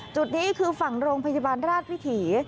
จุดนี้คือฝั่งโรงพยาบาลราชวิถี